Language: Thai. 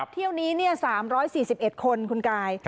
เที่ยวนี้๓๔๑คนคุณกาย